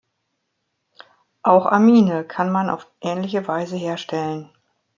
Auch Amine kann man auf ähnliche Weise herstellen.